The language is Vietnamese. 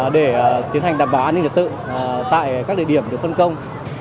để tiến hành đảm bảo an ninh trật tự tại các địa điểm được phân công